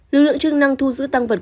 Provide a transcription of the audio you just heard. lực lượng chức năng thu giữ tăng vật